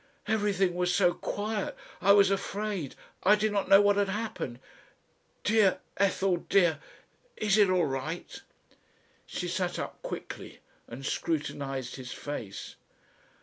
"Everything was so quiet, I was afraid I did not know what had happened. Dear Ethel dear. Is it all right?" She sat up quickly and scrutinised his face.